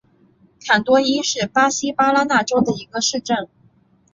坎多伊是巴西巴拉那州的一个市镇。